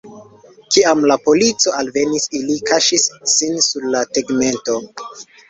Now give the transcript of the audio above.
Kiam la polico alvenis, ili kaŝis sin sur la tegmento.